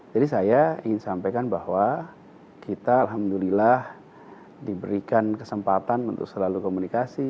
jadi saya ingin sampaikan bahwa kita alhamdulillah diberikan kesempatan untuk selalu komunikasi